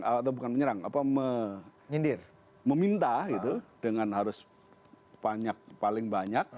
atau bukan menyerang meminta dengan harus banyak paling banyak